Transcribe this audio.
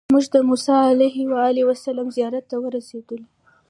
موږ د موسی علیه السلام زیارت ته ورسېدلو.